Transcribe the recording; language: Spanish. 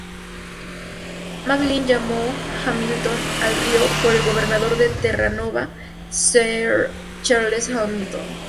MacLean llamó "Hamilton" al río, por el gobernador de Terranova, Sir Charles Hamilton.